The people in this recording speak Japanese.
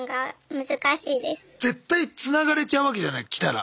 絶対つながれちゃうわけじゃない来たら。